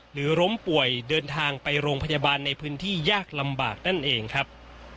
หรือล้มป่วยเดินทางไปโรงพยาบาลในพื้นที่ยากลำบากนั่นเองครับ